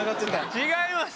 違います。